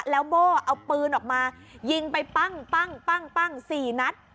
แล้วโบ้เอาปืนออกมายิงไปปั้ง๔นัด